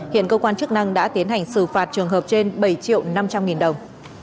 hiện cơ quan chức năng đã tiến hành xử phạt trường hợp trên bảy triệu năm trăm linh nghìn đồng